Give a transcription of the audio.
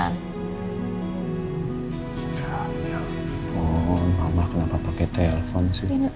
ya ampun mama kenapa pakai telepon sih